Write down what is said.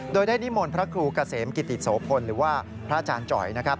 โดยได้นิมนต์พระครูเกษมกิติโสพลหรือว่าพระอาจารย์จ่อยนะครับ